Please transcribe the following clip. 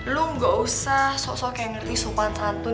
lo gak usah sok sok kayak ngerti sopan santun